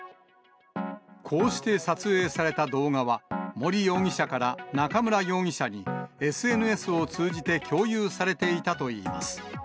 こうして撮影された動画は、森容疑者から中村容疑者に、ＳＮＳを通じて共有されていたといいます。